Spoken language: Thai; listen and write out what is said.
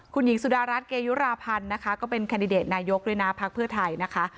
คุณหญิงสุดารัฐเกยุราพันธ์นะคะก็เป็นแคนดิเดตนายกด้วยนะพักเพื่อไทยนะคะ